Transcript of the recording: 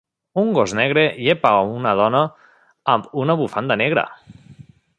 Un gos negre llepa una dona amb una bufanda negra.